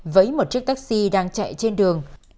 với một chiếc taxi đang chạy trên đường